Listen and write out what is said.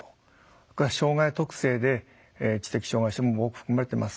それから障害特性で知的障害者も多く含まれてます。